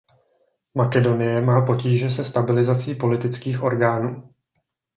Makedonie má potíže se stabilizací politických orgánů.